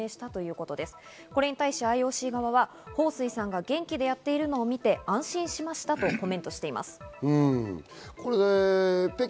これ対しＩＯＣ側はホウ・スイさんが元気でやっているのを見て安心しましたとコメントしています。